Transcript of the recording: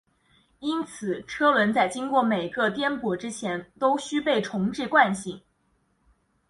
因此车轮在经过每个颠簸之前都须被重置惯性。